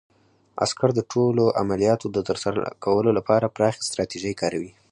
عسکر د ټولو عملیاتو د ترسره کولو لپاره پراخې ستراتیژۍ کاروي.